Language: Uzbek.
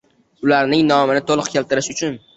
Ularning nomini to‘liq keltirish uchun